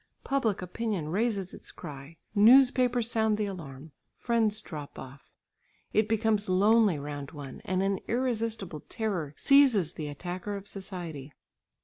Public opinion raises its cry, newspapers sound the alarm, friends drop off, it becomes lonely round one, and an irresistible terror seizes the attacker of society.